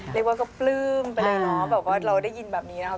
เรียกว่าก็ปลื้มไปเลยเนอะเราได้ยินแบบนี้นะ